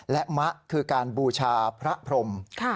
และมะคือการบูชาพระพรม